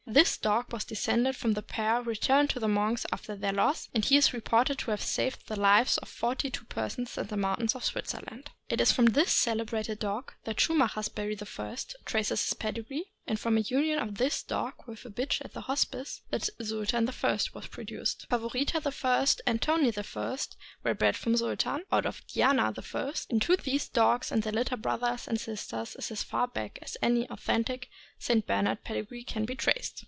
This dog was descended from the pair returned to the monks after their 554 THE AMERICAN BOOK OF THE DOG. loss, and he is reported to have saved the lives of forty two persons in the mountains of Switzerland. It is from this celebrated dog that Schumacher's Barry I. traces his pedigree, and from the unipn of this dog with a bitch at the Hospice that Sultan I. was produced. Favorita I. and Toni I. were bred from Sultan, out of Diana I. , and to these dogs and their litter brothers and sisters is as far back as any authentic St. Bernard pedigree can be traced.